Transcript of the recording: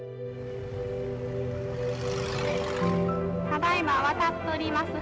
ただいま渡っております